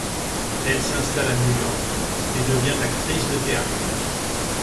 Elle s'installe à New York et devient actrice de théâtre.